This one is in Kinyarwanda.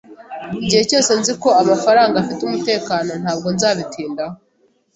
Igihe cyose nzi ko amafaranga afite umutekano, ntabwo nzabitindaho